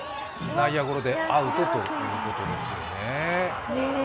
内野ゴロでアウトということですね。